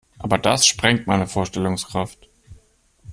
Aber das sprengt meine Vorstellungskraft.